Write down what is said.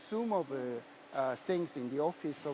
supaya orang bisa menggunakan